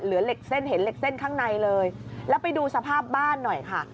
เหล็กเส้นเห็นเหล็กเส้นข้างในเลยแล้วไปดูสภาพบ้านหน่อยค่ะ